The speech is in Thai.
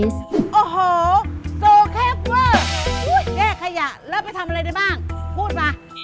โอ้โหโซแคปเวอร์แยกขยะแล้วไปทำอะไรได้บ้างพูดมา